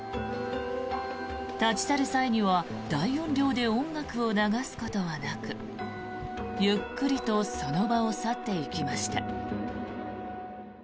立ち去る際には大音量で音楽を流すことはなくゆっくりとその場を去っていきました。